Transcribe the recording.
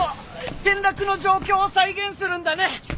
転落の状況を再現するんだね。